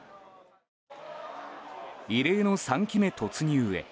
異例の３期目突入へ。